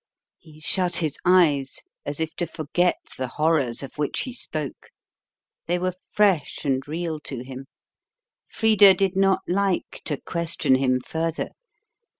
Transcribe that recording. He shut his eyes as if to forget the horrors of which he spoke. They were fresh and real to him. Frida did not like to question him further.